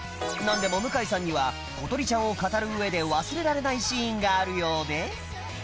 なんでも向さんにはことりちゃんを語る上で忘れられないシーンがあるようで